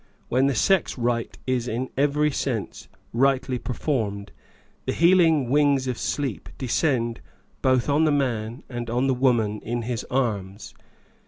When the sex rite is, in every sense, rightly performed, the healing wings of sleep descend both on the man and on the woman in his arms.